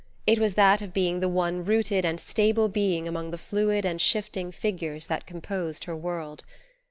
It was that of being the one rooted and stable being among the fluid and shifting figures that composed her world.